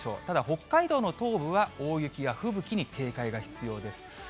ただ、北海道の東部は、大雪や吹雪に警戒が必要です。